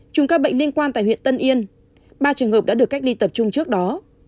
chùm các bệnh liên quan tại huyện tân yên ba trường hợp đã được cách ly tập trung trước đó